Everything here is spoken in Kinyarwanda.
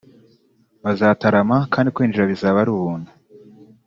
bazatarama kandi kwinjira bizaba ari ubuntu